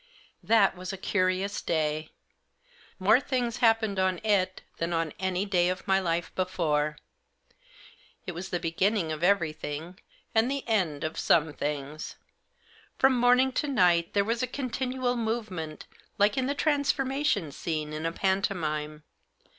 That was a curious day. More things happened on it than on any day of my life before. It was the beginning of everything and the end of some things. From morning to night there was continual movement like in the transformation scene in a pantomime.